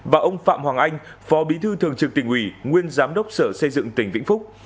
và ông phạm hoàng anh phó bí thư thường trực tỉnh ủy nguyên giám đốc sở xây dựng tỉnh vĩnh phúc